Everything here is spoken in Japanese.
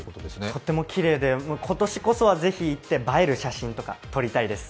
とってもきれいで、今年こそはぜひ行って映える写真とか撮りたいです。